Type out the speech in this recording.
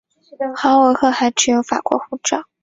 豪尔赫还持有法国护照。